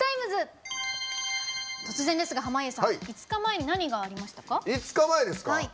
突然ですが、濱家さん５日前に何がありましたか？